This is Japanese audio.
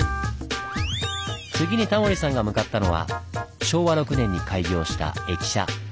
次にタモリさんが向かったのは昭和６年に開業した駅舎。